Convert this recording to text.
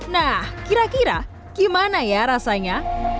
nah kira kira gimana ya rasanya